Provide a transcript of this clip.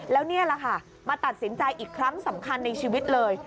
แล้วนี่แหละค่ะมาตัดสินใจอีกครั้งสำคัญในชีวิตเลย